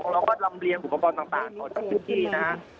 แล้วก็ลำเรียงอุปกรณ์ต่างของเจ้าหน้าที่สุดที่นะ